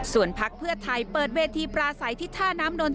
ส่วนพักเพื่อไทยเปิดเวทีปลาใสทิศธานามนท์